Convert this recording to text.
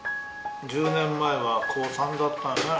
１０年前は高３だったよね。